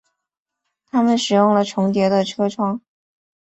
他们使用了重叠的窗口。